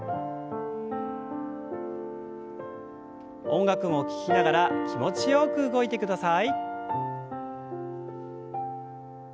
音楽を聞きながら気持ちよく動いてください。